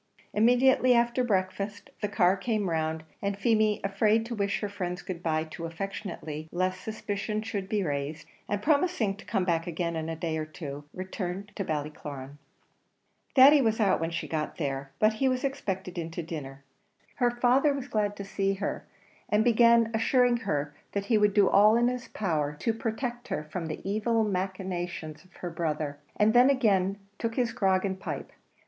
Immediately after breakfast the car came round, and Feemy, afraid to wish her friends good bye too affectionately lest suspicion should be raised, and promising to come back again in a day or two, returned to Ballycloran. Thady was out when she got there, but he was expected in to dinner. Her father was glad to see her, and began assuring her that he would do all in his power to protect her from the evil machinations of her brother, and then again took his grog and his pipe.